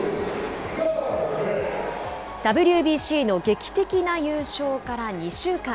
ＷＢＣの劇的な優勝から２週間。